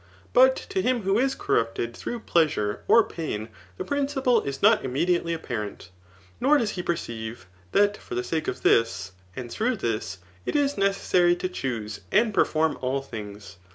But to him who is corrupted through pleasure or pain, the principle is not immediately apparent, nor does he perceive, that for the sake of this, and through this» it is necessary to choose and perform all things.